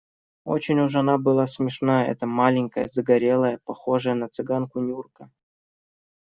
Очень уж она была смешная, эта маленькая, загорелая, похожая на цыганку Нюрка.